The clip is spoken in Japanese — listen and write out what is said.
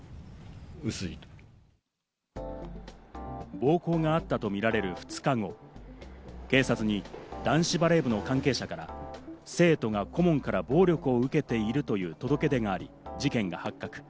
暴行があったとみられる２日後、警察に男子バレー部の関係者から生徒が顧問から暴力を受けているという届け出があり、事件が発覚。